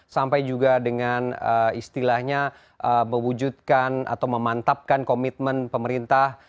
sampai juga dengan istilahnya mewujudkan atau memantapkan komitmen pemerintah